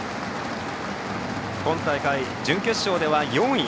今大会、準決勝では４位。